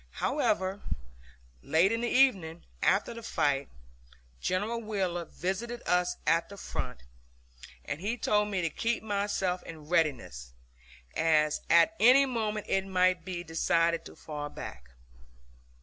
However, late in the evening, after the fight, General Wheeler visited us at the front, and he told me to keep myself in readiness, as at any moment it might be decided to fall back.